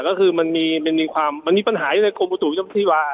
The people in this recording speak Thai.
ก็คือมันมีความมันมีปัญหาอยู่ในกรมประตูเจ้าที่วา